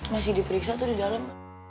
masih diperiksa tuh di dalam